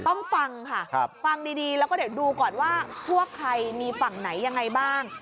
ฟังค่ะฟังดีแล้วก็เดี๋ยวดูก่อนว่าพวกใครมีฝั่งไหนยังไงบ้าง